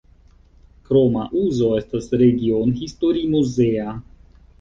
Kroma uzo estas regionhistorimuzea.